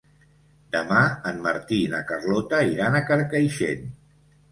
Demà en Martí i na Carlota iran a Carcaixent.